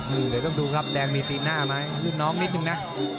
เดี๋ยวต้องดูครับแดงมีตีนหน้าไหมรุ่นน้องนิดนึงนะ